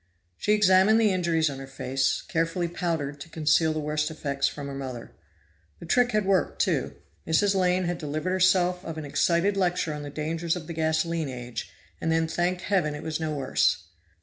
She examined the injuries on her face, carefully powdered to conceal the worst effects from her mother. The trick had worked, too; Mrs. Lane had delivered herself of an excited lecture on the dangers of the gasoline age, and then thanked Heaven it was no worse.